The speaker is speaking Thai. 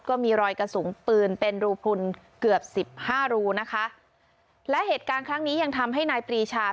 ก็มีรอยกระสุนปืนเป็นรูพลุนเกือบสิบห้ารูนะคะและเหตุการณ์ครั้งนี้ยังทำให้นายปรีชา